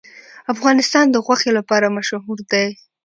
افغانستان د غوښې لپاره مشهور دی.